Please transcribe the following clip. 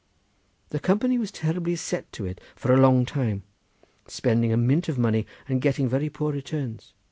The company was terribly set to it for a long time, spending a mint of money and getting very poor returns.